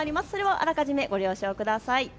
あらかじめご了承ください。